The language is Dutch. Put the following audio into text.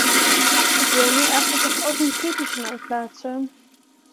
Ik wil nu echter toch ook een kritische noot plaatsen.